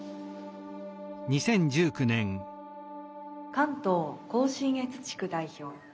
関東甲信越地区代表。